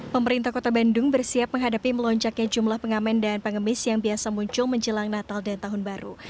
pemerintah kota bandung bersiap menghadapi melonjaknya jumlah pengamen dan pengemis yang biasa muncul menjelang natal dan tahun baru